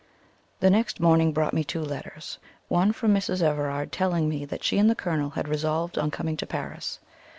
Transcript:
The next morning brought me two letters; one from Mrs. Everard, telling me that she and the Colonel had resolved on coming to Paris.